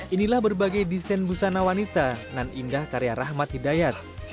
inilah berbagai desain busana wanita nan indah karya rahmat hidayat